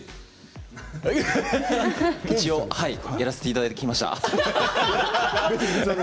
一応やらせていただいてきました。